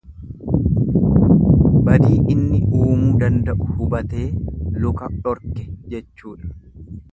Badii inni uumuu danda'u hubatee luka dhorke jechuudha.